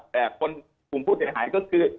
แต่คนผมพูดอย่างหายก็คือ